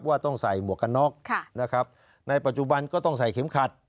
ต้องใส่หมวกกันน็อกนะครับในปัจจุบันก็ต้องใส่เข็มขัด